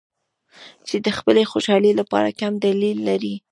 چې د خپلې خوشحالۍ لپاره کم دلیل لري.